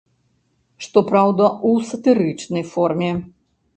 Што праўда, у сатырычнай форме.